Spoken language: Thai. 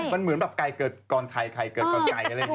มันเหมือนแบบไก่เกิดก่อนไข่ไก่เกิดก่อนไก่อะไรอย่างนี้